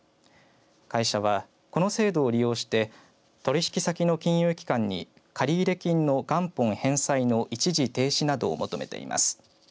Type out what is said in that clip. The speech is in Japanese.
会社は、この制度を利用して取引先の金融機関に借入金の元本返済の一時停止などを求めています。